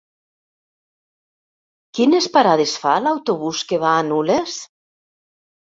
Quines parades fa l'autobús que va a Nules?